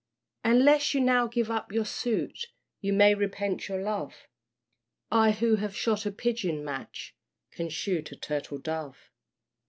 Unless you now give up your suit, You may repent your love; I who have shot a pigeon match, Can shoot a turtle dove.